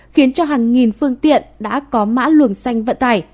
khiến cho hàng nghìn phương tiện đã có mã luồng xanh vận tải